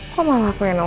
kalau oke lagi bingung